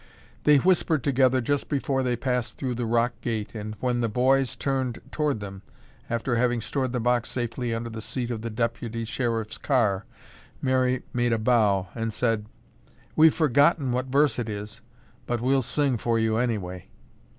They whispered together just before they passed through the rock gate and when the boys turned toward them, after having stored the box safely under the seat of the Deputy Sheriff's car, Mary made a bow and said, "We've forgotten what verse it is, but we'll sing for you anyway."